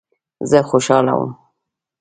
زه خوشاله وم.